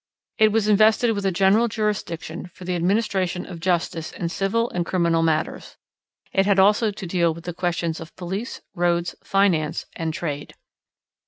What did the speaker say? It was invested with a general jurisdiction for the administration of justice in civil and criminal matters. It had also to deal with the questions of police, roads, finance, and trade.